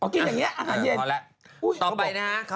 กินอย่างนี้อาหารเย็น